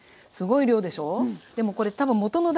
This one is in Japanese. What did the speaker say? すごい量でしょう？